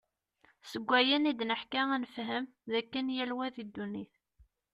Seg wayen id-neḥka ad nefhem, d akken yal wa di ddunit.